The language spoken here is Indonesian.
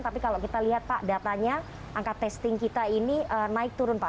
tapi kalau kita lihat pak datanya angka testing kita ini naik turun pak